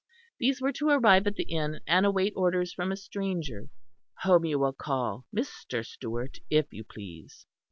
These were to arrive at the inn and await orders from a stranger "whom you will call Mr. Stewart, if you please."